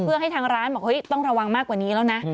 เพื่อให้ทางร้านบอกเฮ้ยต้องระวังมากกว่านี้แล้วนะ